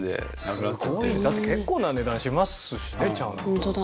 すごい。だって結構な値段しますしねちゃんと。